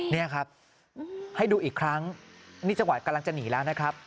นี่ครับให้ดูอีกครั้งนี่จังหวะกำลังจะหนีแล้วนะครับ